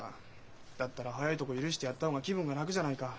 だったら早いとこ許してやった方が気分が楽じゃないか。